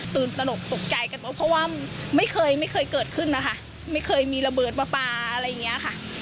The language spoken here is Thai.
ตลกตกใจกันเพราะว่าไม่เคยไม่เคยเกิดขึ้นนะคะไม่เคยมีระเบิดมาปลาอะไรอย่างนี้ค่ะ